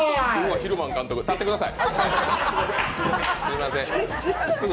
ヒルマン監督、立ってください！